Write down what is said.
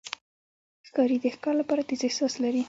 ښکاري د ښکار لپاره تیز احساس لري.